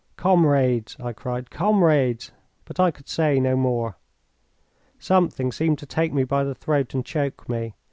"Comrades," I cried, "comrades !" but I could say no more. Something seemed to take me by the throat and choke me.